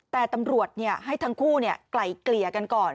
แต่ตำรวจเนี่ยให้ทั้งคู่เนี่ยไกล่เกลียร์กันก่อน